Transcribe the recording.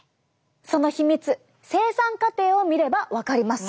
その秘密生産過程を見れば分かります。